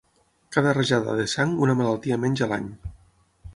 Cada rajada de sang una malaltia menys a l'any.